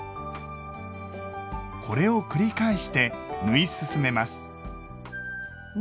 これを繰り返して縫い進めます。